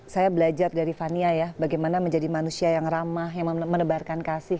saya belajar dari fania ya bagaimana menjadi manusia yang ramah yang menebarkan kasih